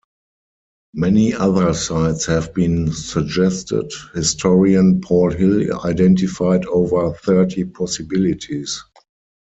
Many other sites have been suggested; historian Paul Hill identified over thirty possibilities.